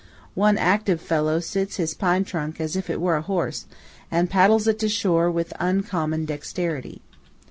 One active fellow sits his pine trunk as if it were a horse, and paddles it to shore with uncommon dexterity.